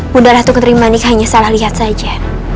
bunda ratu keterima nikahnya salah lihat saja